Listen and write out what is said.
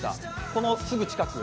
このすぐ近く。